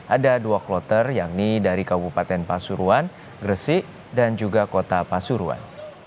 ada dua kloter yakni dari kabupaten pasuruan gresik dan juga kota pasuruan